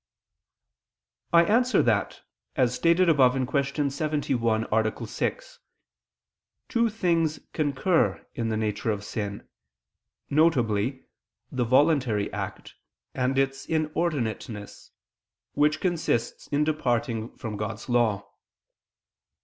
I answer that, As stated above (Q. 71, A. 6), two things concur in the nature of sin, viz. the voluntary act, and its inordinateness, which consists in departing from God's law.